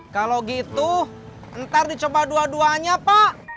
kalau gitu ntar dicoba dua duanya pak